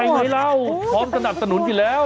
ให้ไหมเราพร้อมสนับสนุนทีแล้ว